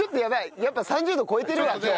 やっぱ３０度超えてるわ今日。